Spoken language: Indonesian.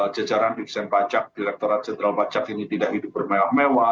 jajaran dirjen pajak direkturat jenderal pajak ini tidak hidup bermewah mewah